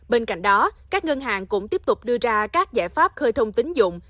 bên cạnh đó các ngân hàng cũng tiếp tục đưa ra các giải pháp khơi thông tính dụng